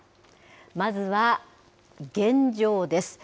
まずは現状です。